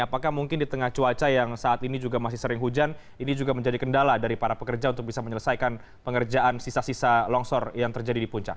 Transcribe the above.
apakah mungkin di tengah cuaca yang saat ini juga masih sering hujan ini juga menjadi kendala dari para pekerja untuk bisa menyelesaikan pengerjaan sisa sisa longsor yang terjadi di puncak